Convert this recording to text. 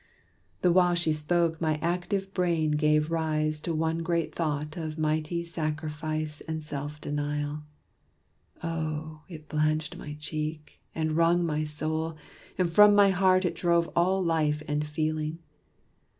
The while she spoke, my active brain gave rise To one great thought of mighty sacrifice And self denial. Oh! it blanched my cheek, And wrung my soul; and from my heart it drove All life and feeling.